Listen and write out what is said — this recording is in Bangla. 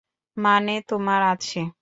মানে, তোমার সাথে?